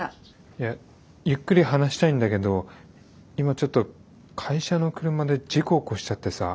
いやゆっくり話したいんだけど今ちょっと会社の車で事故起こしちゃってさ。